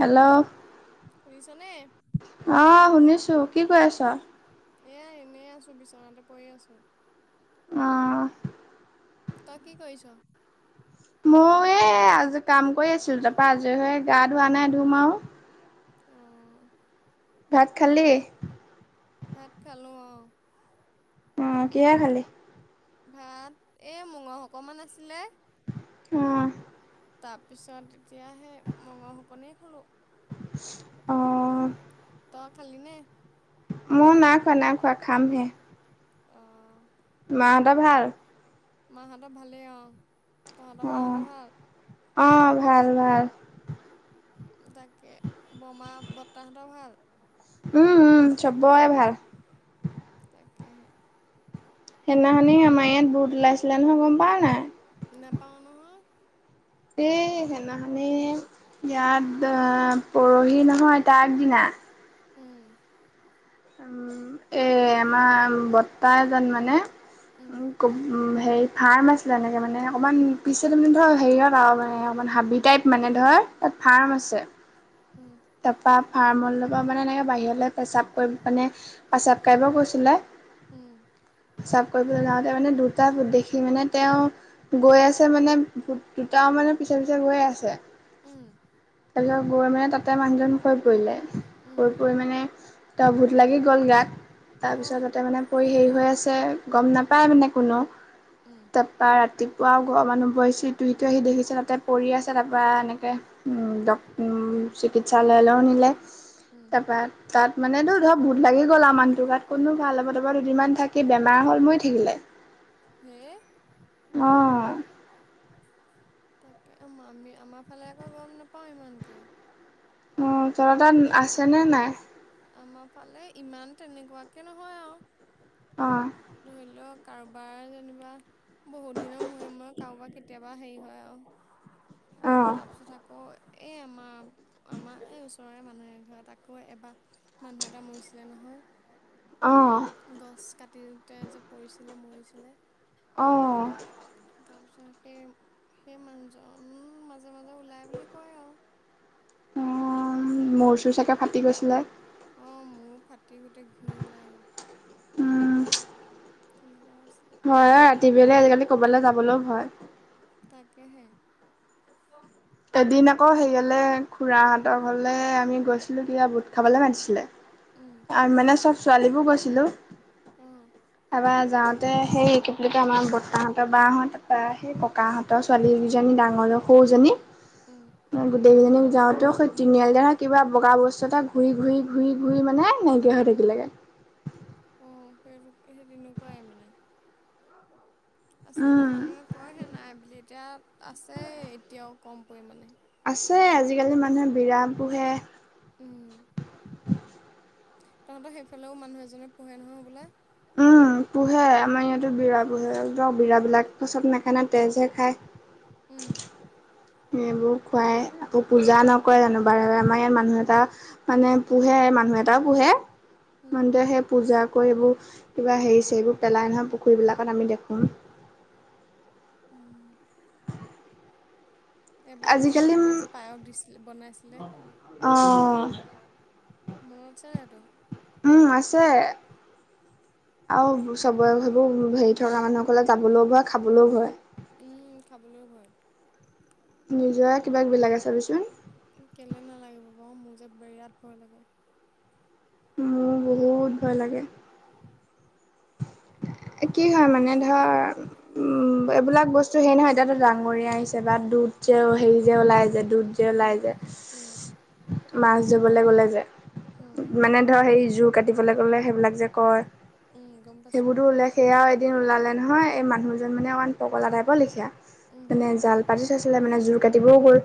Hello. শুনিছনে? অ', শুনিছোঁ, কি কৰি আছ? এয়া এনেই আছো, বিচনাতে পৰি আছো। অঁ তই কি কৰিছ? মই এই আজ কাম কৰি আছিলো, তাপা আজৰি হৈ আহি গা ধোৱা নাই, ধুম আও। অঁ ভাত খালি? ভাত খালো অঁ। অঁ কিহেৰে খালি? ভাত এই মঙহ অকমান আছিলে। অঁ। তাপিছত এতিয়া হে মঙহ অকনেই খালো। অঁ তই খালি নে? মই নাই খোৱা নাই খোৱা, খামহে। অ। মাহত ভাল? মাহত ভালেই অঁ। তঁহতৰ মাহতৰ ভাল? অঁ ভাল ভাল। তাকে, বমা বত্তা হতৰঁ ভাল? উম উম চবএ ভাল। তাকেহে। সেইদিনাখনি আমা ইয়াত ভূত ওলাইছিলে নহয়, গম পাৱ নাই? নেপাওঁ নহয়। এই সেইনাখনি ইয়াত অঁ পৰহি নহয় তা আগদিনা। উম উম এই আমাৰ বত্তা এজন মানে উম হেৰি ফাৰ্ম আছিলে এনেকে মানে অকমান পিচত যেনিবা হেয়িয়ত আও মানে অকমান হাবি টাইপ মানে ধৰ তাত উম ফাৰ্ম আছে। উম তাপা ফাৰ্মৰ লগত মানে এনেকে বাহিৰলে পেচাব কৰি মানে পাচাব কৰিব গৈছিলে। উম পাচাব কৰিবলে যাওঁতে মানে দুটা ভূট দেখি মানে তেওঁ গৈ আছে মানে, ভূত দুটাও মানে পিছে পিছে গৈ আছে। উম তাৰপিছত গৈ মানে তাতে মানুহজন শুই পৰিলে উম শুই পৰি মানে তাৰ ভূত লাগি গ'ল গাত, অঁ তাৰপিছত তাতে মানে কৰি হেৰি হৈ আছে, গম নাপায় মানে কোনো উম। তাপা ৰাতিপুৱা ঘৰৰ মানুহবোৰ আহিছে ইটো হিটো আহি দেখিছে তাতে পৰি আছে, তাপা এনেকে উম ডক উম চিকিৎসালয়লেও নিলে উম তাপা তাত মানেতো ধৰক ভূত লাগি গ'ল আও মানুহটোৰ গাত, ক'তনো ভাল হ'ব, তাপা দুদিনমান থাকি বেমাৰ হ'ল মৰি থাকিলে। [unintelligible] হে অঁ তাকে আমি আমাৰ ফালে আকৌ গম নাপাওঁ ইমানকৈ। অ, থত তাত আছেনে নাই? আমাৰ ফালে ইমান তেনেকুৱাকে নহয় অ আৱ। ধৰি লওক কাৰোবাৰ যেনিবা বহুত দিনৰ মূৰে মূৰে কাৰোবাৰ কেতিয়াবা হেৰি হয় আৱ। অ তাৰপিছত আকৌ এ আমা আমা এই ওচৰৰে মানুহ এঘৰত আকৌ এবা মানুহ এটা মৰিছিলে নহয়। অ গছ কাটিতে যে পৰিছিলে মৰিছিলে। অঁ। তাৰপিছত সেই সেই মানুহজন মাজে মাজে ওলাই বুলি কয় আৱ। [unintelligible] মোৰ চোৰ চাগে ফাটি গৈছিলে? অ, মোৰ ফাটি গোটেই ঘিউ ওলাই গ'ল। উম। তেনেকুৱা আছিলে। হয় হা। [unintelligible] আজিকালি ক'বালে যাবলও ভয়। তাকেহে। এদিন আকৌ সেইয়লে খুৰাহঁতৰ ঘলে আমি গৈছিলোঁ। [unintelligible] বুট খাবলে মাতিছিলে। উম। মানে চব ছোৱালীবোৰ গৈছিলোঁ। অ। তাপা যাওঁতে সেই কি বুলি আমাৰ বৰ্তাহঁতৰ বাহঁত বা সেই ককা ত ছোৱালীকিজনী ডাঙৰ সৰুজনী উম। গোটেইকেইজনীক যাওঁতেও সেই তিনিআলি না কিবা বগা বস্তু এটা ঘূৰি ঘূৰি ঘূৰি ঘূৰি মানে [unintelligible] থাকিলেগে। অ, সে সেই তেনেকুৱাই মানে। আচলতে উম মানুহে কয়হে নাই বুলি, এতিয়া আছেই এতিয়াও কম পৰিমাণে। আছে, আজিকালি মানুহে বিৰা পোহে। উম। তহঁতৰ সেইফালেও মানুহ এজনে পোহে নহয় বোলে? উম, পোহে। আমাৰ ইয়াতো বিৰা পোহে। বিৰাবিলাক চব নাখায় না, তেজহে খায়। [inaudible] উম। সেইবোৰ খুৱাই আকৌ পূজা নকৰে জানো বাৰে বাৰে। আমাৰ ইয়াত মানুহ এটা মানে পোহে, মানুহ এটাও পোহে। উম, মানু্টোৱে সেই পূজা কৰি এইবোৰ কিবা হেৰি ছেই বোৰ পেলাই নহয় পুখুৰীবিলাকত আমি দেখোঁ। উম। এবা মই আজিকালি যাওঁতে যে পায়স দিছিল বনাইছিলে? অঁ। মনত আছে নাই টো? উম, আছে। আও চবৰে ভাবোঁ হেৰি থকা মানুহসকলে যাবলও ভয়, খাবলও ভয়। উম, খাবলও ভয়। নিজৰে কিবা কিবি লাগে চাবিচোন। কেলে নালাগিব বাও, মোৰ যে বিৰাট ভয় লাগে। মো বহুত ভয় লাগে। কি হয় মানে ধৰ উম এইবিলাক বস্তু হেই নহয় এতিয়াতো ডাঙৰীয়া আহিছে বা দুধ যে হেৰি যে ওলাই যে দুধ যে ওলাই উম, য উম, মাছ ধবলৈ গ'লে যে অ', মানে ধৰ সেই জোৰ কাটিবলৈ গ'লে সেইবিলাক যে কয় উম, গম পাইছোঁ। সেইবোৰতো ওলাই সেয়াও এদিন ওলালে নহয় এই মানুহজন মানে অকণ পগলা টাইপৰ লেখীয়া উম, মানে জাল পাতি পাতি থৈছিলে মানে জোৰ কাটিবও গ'ল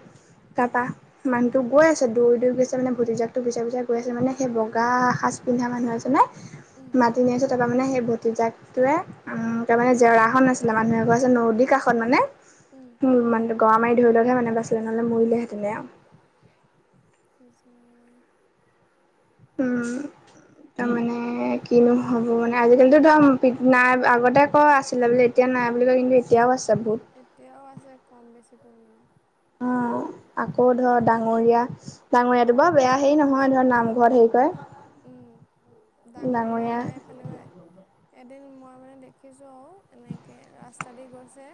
উম, তাৰাপা ইমান তো গৈ আছে দৌৰি দৌৰি গৈ আছে মানে ভতিজাকটো পিচে পিচে গৈ আছে মানে সেই বগা সাজ পিন্ধা মানুহ এজনে উম, মাতি নি আছে তাপা মানে সেই ভতিজাক টোয়ে উ তা মানে জেওৰা এখন আছিলে মানুহ এঘৰ আছে নদীৰ কাষত মানে উম মানুহটো গৰা মাৰি ধৰিলতহে মানে বাছিলে নহলে মৰিলে হেতেনে আউ কে যে আৰু উম তামানে কি নো হ'ব মানে আজিকালিতো ধৰ পিত নাই আগতে কয় আছিলে বোলি এতিয়া নাই বুলি কয় কিন্তু এত এতিয়াও আছে ভুত এতিয়াও আছে কম বেছি পৰিমাণে আকৌ ধৰ ডাঙৰীয়া ডাঙৰীয়াটো বাউ বেয়া হেৰি নহয় ধৰ নামঘৰত হেৰি কয়ে উম ডাঙৰীয়া আমাৰ সেনকাই এদিন মই মানে দেখিছোঁ আৰু এনেকে ৰাস্তা দি গৈছে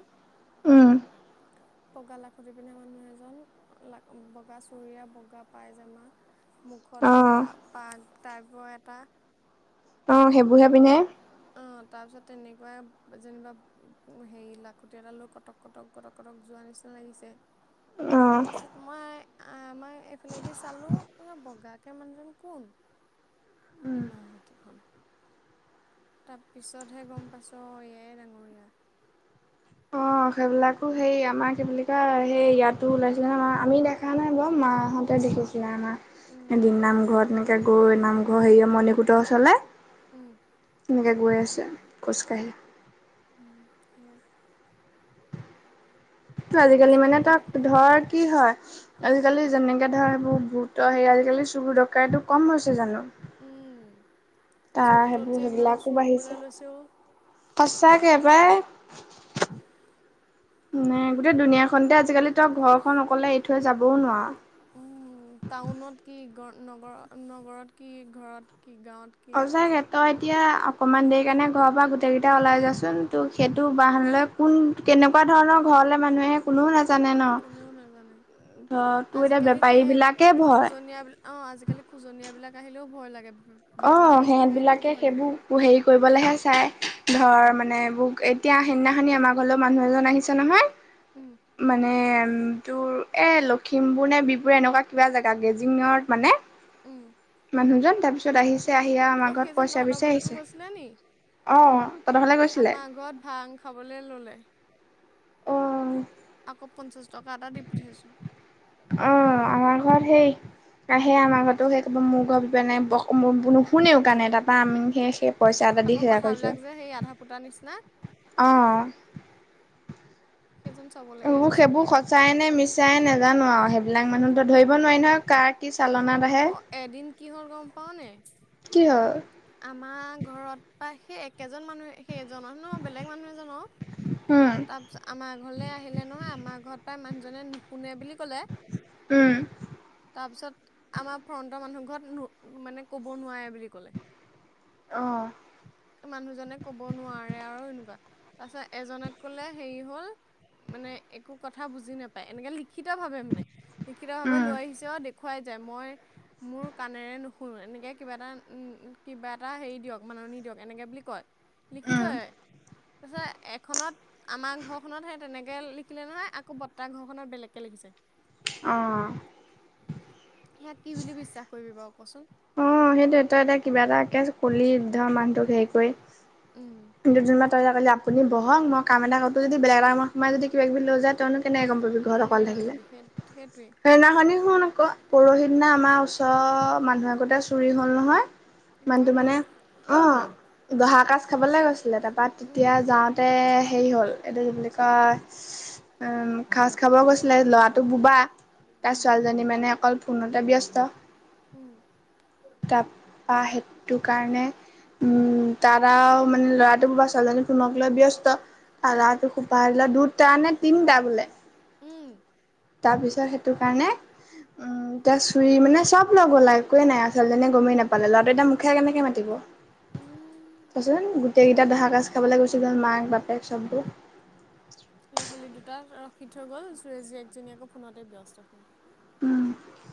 উম বগা লাখুটি পিন্ধা মানুহ এজন লা বগা চুুৰিয়া বগা পাইজামা অ মুখত পা পাক টাইপৰ এটা অ সেইবোৰহে তেনেকে পিন্ধে অ তাৰ পিছত তেনেকুৱাই যেনিবা হেৰি লাখুটি এটা লৈ কটক কটক কটক কটক যোৱা নিচিনা লাগিছে উ তাৰপাছত মই আমাক এইফালেদি চালোঁ বগাকে মানুহজন কোন ইমান ৰাতিখন তাৰ পিছতহে গম পাইছো এয়াই ডাঙৰীয়া অঁ সেইবিলাকটো সেই আমাৰ কি বুলি কয় সেই ইয়াত টো ওলাইছিলে ন আমি দেখা নাই বাৰু মা হঁতে দেখিছিলে আমাৰ এদিন উম, নামঘৰত এনেক গৈ নামঘৰ হেৰি মণিকূটৰ ওচৰলে উম এনেকে গৈ আছে খোজকাঢ়ি উম সেয়া ত সেই আজিকালি মানে কিছুমানে তাত দেখে ধৰ কি হয় আজিকালি যেনেকে ধৰ এইবোৰ ভুতৰ সে আজিকালি চুৰ ডকাইতো কম হৈছে জানো উম তাৰ য'ত ত'ত সেইবোৰ যে ইমান সেইবিলাকো চোৰ বাঢ়িছে হ'বলৈ লৈছে অ সঁচাকে পাই উম গোটেই দুুনীয়াখনতে আজিকালি তই ঘৰখন অকলে এৰি থৈ যাবও নোৱাৰ। উম টাউনত কি গ নগ নগৰত কি ঘৰত কি গাঁৱত কি সঁচাকে তই এতিয়া অকমান দেৰি কাৰণে ঘৰৰ পৰা গোটেইকেইটা ওলাই যাচোন তো সেইটো বাহানা লৈ কোন কেনেকুৱা ধৰণৰ ঘৰলে মানুহ আহে কোনেও নাজ কোনেও নাজানে তোৰ এতিয়া আজিকালি বেপাৰী সেই বিলাকে ভয় খোজনীয়া বিল অ' আজিকালি খোজনীয়া বিলাক আহিলেও ভয় লাগে। অ' বেপাৰীবিলাক সিহঁত আহিলেও বিলাকে ভয় লাগে সেইবোৰ হেৰি কৰিবলৈহে চাই ধৰ উম, মানে এইবোৰ এই এতিয়া সেইদিনাখনি আমাৰ ঘৰলৈ মানুহ এজন আহিছে নহয়। উম মানে তোৰ এই লখিমপুৰ নে বিপুৰ এনেকুৱা কিবা জেগা গেজিঙত মানে, উম। মানুহজন তাৰ পিছত আহিছে। আহিয়া আমাৰ অ', ঘৰত সেইজন পইচা তহঁতৰ বিচাৰ ঘৰলৈকো আহিছে, গৈছিলে নি অ তহতৰ ঘৰলে গৈছিলে। আমাৰ ঘৰত ভাং খাবলে ল'লে। অ, আকৌ পঞ্চাছ টকা এটা দি পঠিয়াইছোঁ। অ' আমাৰ ঘৰত সেই আহে আমাৰ ঘৰতো সেই ক'ব মোৰ ঘৰ পিনাই ম নুশুনেও, কাৰণে তাৰপৰা আমি সেই পইচা এটা দি আকৌ সেয়া কৰিছোঁ কথাবিলাক যে সেই আধা ফুটাৰ নিচিনা। অ' সেইজন ছবত সেইবোৰ সঁচাইনে মিছাই। মিছাই, নোজানো আৰু সেইবিলাক ক'ব মানুহতো ধৰিব নোৱাৰোঁ। নোৱাৰি নহয় কাৰ কি চালনা অ' এদিন কিহ'ল গম পাওঁনে, কি হল আমাৰ ঘৰত প্ৰায় সেই একেজন মানুহে, সেইজনৰ নু বেলেগ মানুহ এজনক উম, তাৰপিছত, আমাৰ ঘৰলৈ আহিলে নহয় আমাৰ ঘৰত প্ৰায় মানুহজনে নুশুনে বুলি ক'লে উম। তাৰপিছত আমাৰ ফ্ৰণ্টৰ মানুহ ঘৰত মানে ক'ব নোৱাৰে বুলি ক'লে। অ'। মানুহজনে ক'ব নোৱাৰে আৰু এনেকুৱা তাৰ পিছত এজনক কলে হেৰি হল, মানে একো কথা বুজি নাপায় এনেকে লিখিত ভাৱে মানে লিখিত ভাৱে উম, লৈ আহিছে। তেওঁ দেখুৱাই যায় মই মোৰ কাণেৰে নুশুনো এনেকৈ কিবা এটা, উম কিবা এটা হেৰি দিয়ক মাননি দিয়ক এনেকে বুলি কয়। লিখি উম, থয়। [unintelligible] এখনত আমাৰ ঘৰখনত সেই তেনেকে লিখিলে নহয়। আকৌ বৰ্তা ঘৰখনত বেলেগকে লিখিছে। অ' সেয়াত কি বুলি বিশ্বাস কৰিবি বাৰু কচোন। অ' সেইটো তই এতিয়া কিবা এটাে কলি ধৰ মানুহ তোক হেৰি কৰি। উম। [unintelligible] আপুনি বহক মই কাম এটা কৰো যদি বেলেগ এটা ৰুমত সোমাই কিব কিবি লৈ যায় তই নু। কেনেকে গম পাবি ঘৰত অক কেনেকে থাকিলে জানিবি সেই সেইটোৱেই সেইনাখনি, শুন আকৌ। পৰহি দিনা আমাৰ ওচৰৰ মানুহে আগতে চুৰি হ'ল নহয়। হয় মানুহটো নি মানে। অ' দহা কাজ খাবলে গৈছিলে। তাৰপা উম তেতিয়া যাওঁ, তাতে হেৰি হ'ল, এইটো কি বুলি কয় উম সাঁজ খাব কৈছিলে, ল'ৰাটো বোবা। তাৰ উম ছোৱালীজনী মানে অকল ফোনতে ব্যস্ত। হম। তাপা সেইটো কাৰণে উম তাত আও ল'ৰাটো বা ছোৱালীজনী ফোনক লৈ উম ব্যস্ত হোপাই দিলে দুটা নে তিনটা বোলে উম তাৰপিছত সেইটো কাৰণে উম এতিয়া চুৰি মানে চব লৈ গ'ল একোৱে নাই ছোৱালী জনিয়ে গমেই নাপালে ল'ৰাটোয়ে এটা মুখেৰে কেনেকে মাতিব উম। চোৱাচোন গোটেই কেইটা দহা কাজ খাবলৈ গুচি গল মাক বাপেক চববোৰ ল'ৰা ছোৱালী দুটা ৰখি থৈ গ'ল জীয়েক জনী আক আকৌ ফোনতে ব্যস্ত সেয়া উম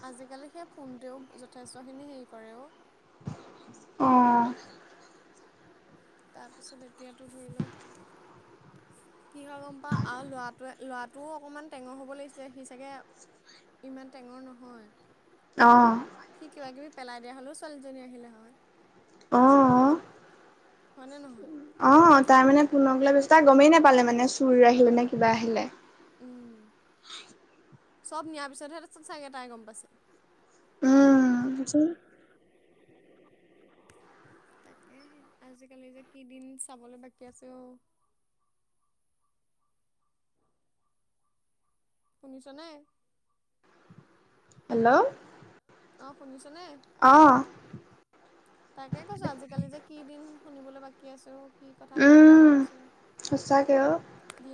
আজিকালি সেই ফোনটোৱেও যথেষ্টখিনি হেৰি কৰে অ' অ' তাৰপিছত এতিয়াতো ধৰি লও কি হয় গম পাওঁ আৰু ল'ৰাটোৱে ল'ৰাটোও অকনমান টেঙৰ হ'ব লাগিছিলে সি চাগে ইমান টেঙৰ নহয় অ' সি কিবা কিবি পেলাই দিয়া হ'লেও ছোৱালীজনী আহিলে হয় অ' হয়নে নহয় অ' তাই মানে ফোনক লৈ তাই গমেই নাপালে মানে চুৰ আহিলে নে কিবা আহিলে উম চব নিয়াৰ পিছতহে চাগে চাগে তাই গম পাইছে উম তাকেহে আজিকালি যে কি দিন চাবলে বাকী আছে অ শুনিছ নে হেল্ল' অ শুনিছ নে অ তাকে কৈছো আজিকালি যে কি দিন শুনিবলে বাকী আছে অ কি কথা শুনিবলে বাকী উম আছে সঁচাকে ঔ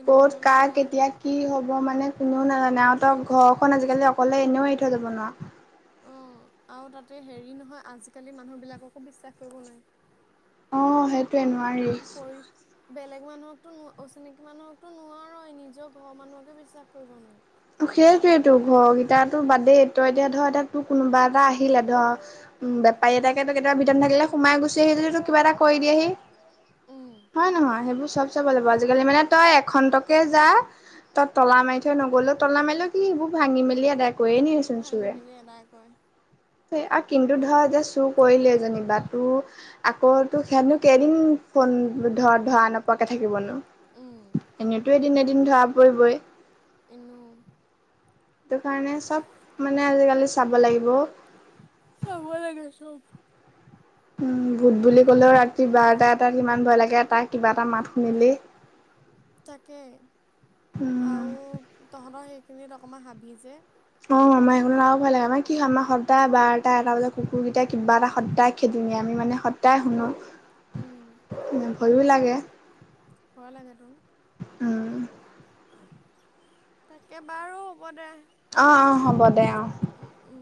ক'ত কা কেতিয়া কি হ'ব মানে কি কোনেও নাজানে হয় আৰু ত ঘৰখন আজিকালি অকলে এনেও এৰি থৈ যাব নোৱাৰ অ আৰু তাতে হেৰি নহয় আজিকালি মানুহবিলাককো বিশ্বাস কৰিব নোৱাৰি অ সেইটোয়ে নোৱা পৰি বেলেগ মানুহকতো ন অচিনাকি মানুহকতো নোৱাৰই নিজৰ ঘৰৰ মানুহকে বিশ্বাস কৰিব নোৱাৰি সেইটোৱেই তো ঘৰকেইটাতো বাদ দে তই এতিয়া ধ এতিয়া তোৰ কোনোবা এটা আহিলে ধ উম বেপাৰী এটাকে তই কেতিয়াবা ভিতৰত নেথাকিলে সোমাই গুচি আহি যদি তোক কিবা এটা কৰি দিয়েহি উম হয় নহয় সেইবোৰ চব চাব লাগিব হয় আজিকালি মানে তই এখনটকে যা তই তলা মাৰি থৈ নগলও তলা মাৰিলেও কি সেইবোৰ ভাঙি মেলি এদাই কৈয়ে নিয়ে চোন ভাঙি চোৰে মেলি এদাই কয় আৰু কিন্তু ধৰ যে চুৰ কৰিলেই যেনিবা তোৰ আকৌ তো সেইয়াত কেইদিন ফোন ধৰা ধৰা নপৰাকে থাকিবনো উম এনেই তো এদিন এদিন ধৰা পৰিবই এনো সেইটো কাৰণে চব মানে আজিকালি চাব লাগিব অ চাবই লাগে চব ভূত বুলি ক'লেও ৰাতি বাৰটা এটাত কিমান ভয় লাগে এটা কিবা এটা মাত শুনিলেই তাকে উম। আৰু তহঁতৰ সেইখিনিত অকণমান হাবি যে অ আমাৰ এইকনত আৰু ভয় লাগে আমাৰ কি আমাৰ সদায় বাৰটা এটা বজাত কুকুৰকেইটাই কিবা এটা সদায় খেদি নি আমি মানে সদায় শুনো। উম [unintelligible] ভয়ো লাগে। ভয় লাগে ত'। উম, তাকে বাৰু হ'ব দে। অ অ, হ'ব দে অ। উম উম।